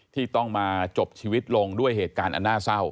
ที่ต้องมาจบชีวิตลงด้วยเหตุการณ์อันน่าเศร้า